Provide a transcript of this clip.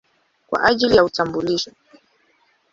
kwa ajili ya utambulisho.